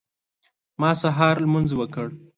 ما سهار لمونځ وکړ.